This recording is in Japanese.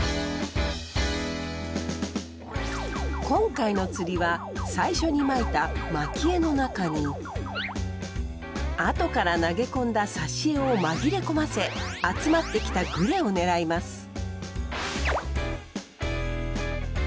今回の釣りは最初にまいたまき餌の中に後から投げ込んだ刺し餌を紛れ込ませ集まってきたグレを狙います。